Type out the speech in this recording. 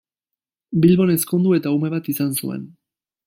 Bilbon ezkondu eta ume bat izan zuen.